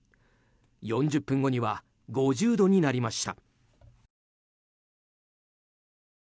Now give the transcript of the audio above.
４０分後には５０度になりました。